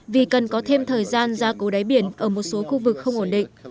vì cần có thêm thời gian ra cố đáy biển ở một số khu vực không ổn định